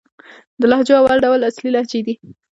د لهجو اول ډول اصلي لهجې دئ.